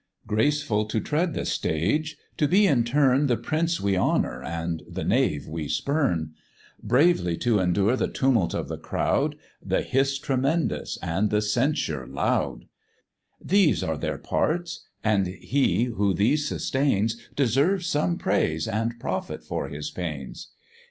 Graceful to tread the stage, to be in turn The prince we honour, and the knave we spurn; Bravely to bear the tumult of the crowd, The hiss tremendous, and the censure loud: These are their parts, and he who these sustains, Deserves some praise and profit for his pains.